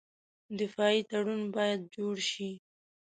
دفاعي تړون باید جوړ شي.